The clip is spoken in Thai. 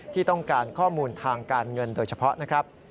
ที่ต้องการข้อมูลทางการเงินโดยเฉพาะนะครับ